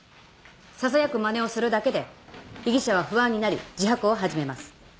ささやくまねをするだけで被疑者は不安になり自白を始めます。